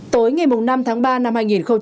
tối ngày năm tháng ba năm hai nghìn một mươi chín